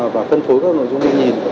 và phân phối các nội dung nghe nhìn